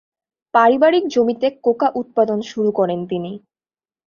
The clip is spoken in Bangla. পারিবারিক জমিতে কোকা উৎপাদন শুরু করেন তিনি।